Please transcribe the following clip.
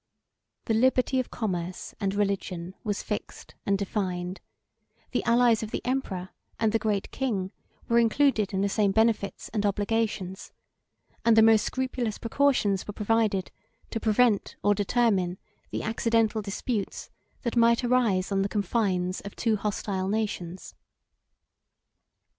The liberty of commerce and religion was fixed and defined; the allies of the emperor and the great king were included in the same benefits and obligations; and the most scrupulous precautions were provided to prevent or determine the accidental disputes that might arise on the confines of two hostile nations.